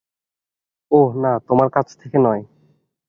ওহ, না, তোমার কাছ থেকে নয়।